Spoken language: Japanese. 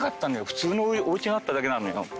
普通のおうちがあっただけなの。